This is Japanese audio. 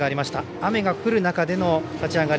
雨が降る中での立ち上がり。